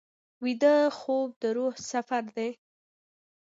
ویده خوب د روح سفر دی